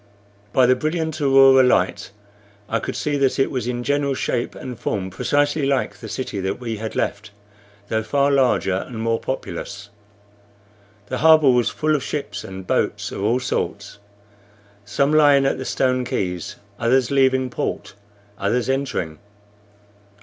By the brilliant aurora light I could see that it was in general shape and form precisely like the city that we had left, though far larger and more populous. The harbor was full of ships and boats of all sorts, some lying at the stone quays, others leaving port, others entering.